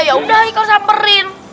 yaudah haikal samperin